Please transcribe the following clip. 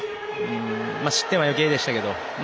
失点は余計でしたけど